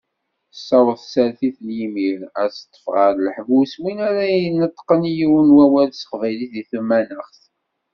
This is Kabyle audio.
Tessaweḍ tsertit n yimir, ad teṭṭef ɣer leḥbus win ara d-ineṭṭqen yiwen n wawal s teqbaylit deg tmanaɣt.